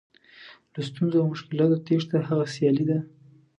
له ستونزو او مشکلاتو تېښته هغه سیالي ده.